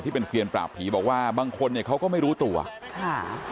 เป็นเซียนปราบผีบอกว่าบางคนเนี่ยเขาก็ไม่รู้ตัวค่ะ